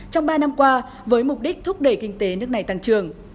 trong ba năm qua với mục đích thúc đẩy kinh tế nước này tăng trưởng